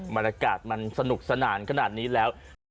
บรรยากาศมันสนุกสนานขนาดนี้แล้ว